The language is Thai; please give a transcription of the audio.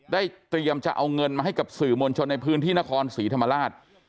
เตรียมจะเอาเงินมาให้กับสื่อมวลชนในพื้นที่นครศรีธรรมราช